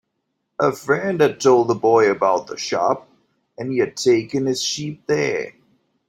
A friend had told the boy about the shop, and he had taken his sheep there.